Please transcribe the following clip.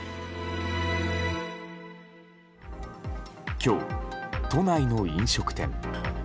今日、都内の飲食店。